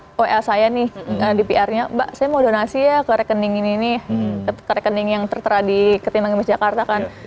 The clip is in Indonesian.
tiba tiba oel saya nih di pr nya mbak saya mau donasi ya ke rekening ini nih ke rekening yang tertera di ketimbang emis jakarta kan